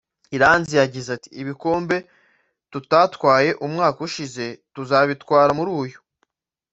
Iranzi yagize ati” Ibikombe tutatwaye umwaka ushize tuzabitwara muri uyu